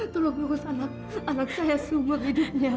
tolong urus anak saya seumur hidupnya